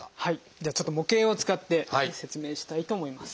ではちょっと模型を使って説明したいと思います。